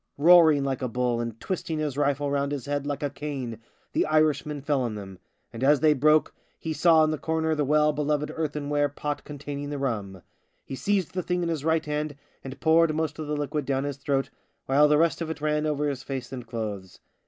Roaring like a bull and twisting his rifle round his head like a cane, the Irishman fell on them — and as they broke, lie saw in the corner the well beloved earthen ware pot containing the rum. He seized the thing in his right hand and poured most of the liquid down his throat, while the rest of it ran over his face and clothes.